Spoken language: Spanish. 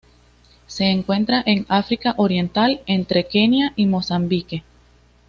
Se encuentra en África Oriental entre Kenia y Mozambique.